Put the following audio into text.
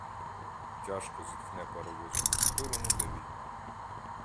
Тяжко зітхне паровоз у ту сторону, де війна.